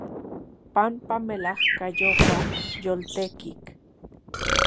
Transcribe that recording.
Panpa melajkayopa yoltetik.